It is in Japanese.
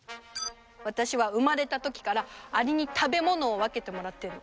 私は生まれたときからアリに食べ物を分けてもらってる。